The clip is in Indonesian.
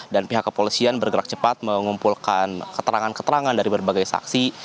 dan pihak kepolisian bergerak cepat mengumpulkan keterangan keterangan dari berbagai saksi